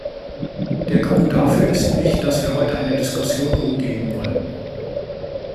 Der Grund dafür ist nicht, dass wir heute eine Diskussion umgehen wollen.